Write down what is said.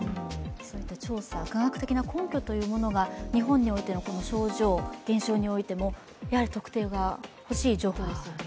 調査、科学的な根拠というものが日本のおいての症状、現象においてもやはり特定はほしい状況ですよね。